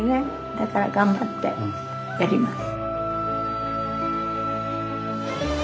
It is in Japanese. だから頑張ってやります。